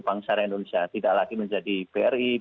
bank syariah indonesia tidak lagi menjadi bri